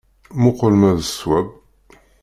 Muqel ma d ṣṣwab.